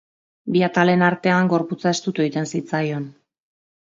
Bi atalen artean gorputza estutu egiten zitzaion.